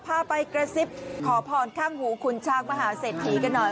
พาไปกระซิบขอพรข้างหูคุณช้างมหาเศรษฐีกันหน่อย